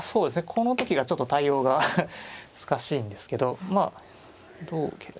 この時がちょっと対応が難しいんですけどどう受けるんですかね。